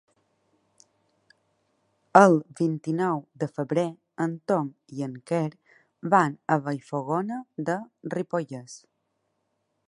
El vint-i-nou de febrer en Tom i en Quer van a Vallfogona de Ripollès.